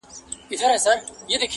• ښه په کټ کټ مي تدبير را سره خاندي,